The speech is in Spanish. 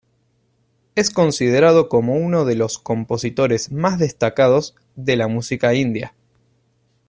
Es considerado como uno de los compositores más destacados de la música india.